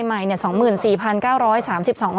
สิบเก้าชั่วโมงไปสิบเก้าชั่วโมงไป